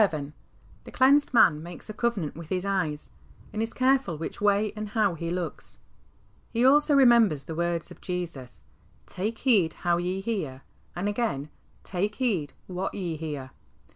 The clea7ised man makes a covenant with his eyes, and is careful which way a77d how he looks. He also remembers the words of Jesus, "Take heed how ye hear," and again, " Take \\t^di What ye hear."